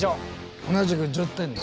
同じく１０点です。